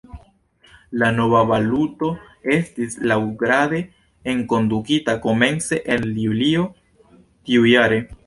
La nova valuto estis laŭgrade enkondukita komence el Julio tiujare.